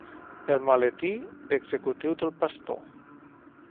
El maletí d'executiu del pastor.